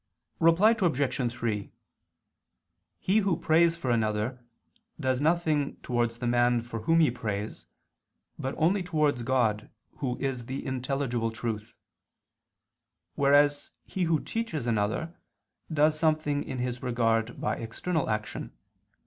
Reply Obj. 3: He who prays for another does nothing towards the man for whom he prays, but only towards God Who is the intelligible truth; whereas he who teaches another does something in his regard by external action.